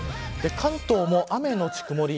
関東も雨のち曇り。